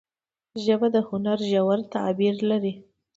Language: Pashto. ژبه د هنر ژور تعبیر لري